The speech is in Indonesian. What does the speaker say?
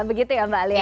begitu ya mbak alia